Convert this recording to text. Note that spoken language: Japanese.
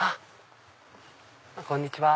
こんにちは。